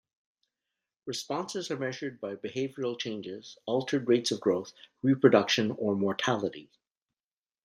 Responses are measured by behavioural changes, altered rates of growth, reproduction or mortality.